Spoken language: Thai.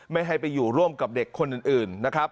ไม่ให้ไปอยู่ร่วมกับเด็กคนอื่นนะครับ